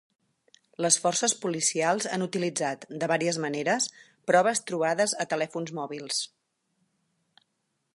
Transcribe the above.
Les forces policials han utilitzat, de vàries maneres, proves trobades a telèfons mòbils.